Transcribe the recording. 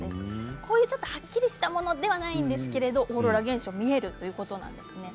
こういうはっきりしたものではないんですけれどオーロラ現象が見えるということなんです。